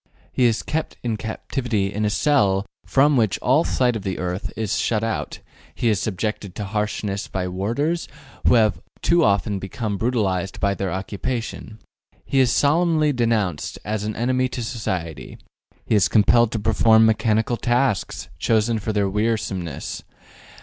He is kept in captivity in a cell from which all sight of the earth is shut out: he is subjected to harshness by warders, who have too often become brutalized by their occupation. He is solemnly denounced as an enemy to society. He is compelled to perform mechanical tasks, chosen for their wearisomeness.